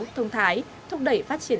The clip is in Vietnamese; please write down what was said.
thông thái thúc đẩy phát triển